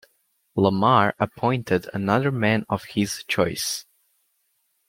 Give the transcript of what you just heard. Lamar appointed another man of his choice.